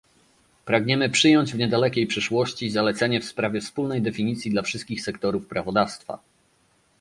Pragniemy przyjąć w niedalekiej przyszłości zalecenie w sprawie wspólnej definicji dla wszystkich sektorów prawodawstwa